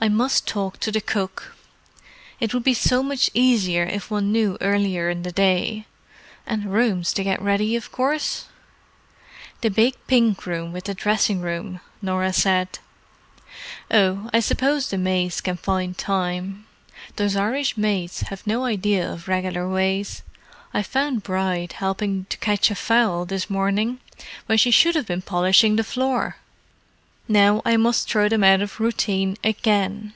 I must talk to the cook. It would be so much easier if one knew earlier in the day. And rooms to get ready, of course?" "The big pink room with the dressing room," Norah said. "Oh, I suppose the maids can find time. Those Irish maids have no idea of regular ways: I found Bride helping to catch a fowl this morning when she should have been polishing the floor. Now, I must throw them out of routine again."